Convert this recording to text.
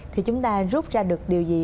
thì chúng ta rút ra được điều gì